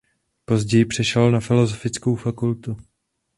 Později přešel na filozofickou fakultu.